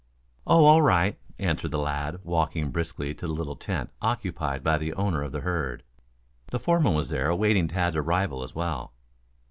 "Oh, all right," answered the lad, walking briskly to the little tent occupied by the owner of the herd. The foreman was there awaiting Tad's arrival as well.